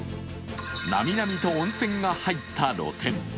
なみなみと温泉が入った露天。